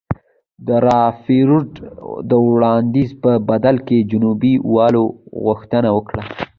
د رادرفورډ د وړاندیز په بدل کې جنوبي والو غوښتنه وکړه.